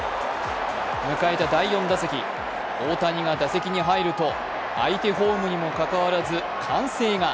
迎えた第４打席大谷が打席に入ると相手ホームにもかかわらず歓声が。